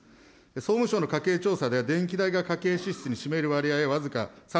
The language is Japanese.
総務省の家計調査では、電気代が家計支出に占める割合は僅か３．７％。